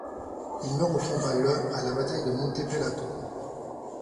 Il meurt au combat le à la bataille de Monte Pelato.